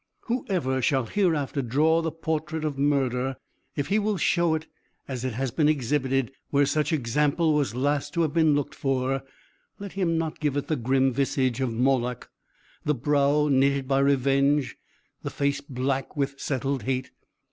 'Whoever shall hereafter draw the portrait of murder, if he will show it as it has been exhibited where such example was last to have been looked for, let him not give it the grim visage of Moloch, the brow knitted by revenge, the face black with settled hate.